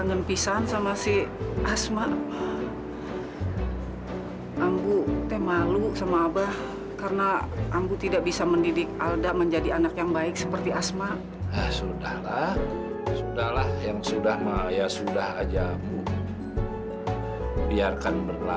sampai jumpa di video selanjutnya